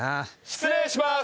失礼します！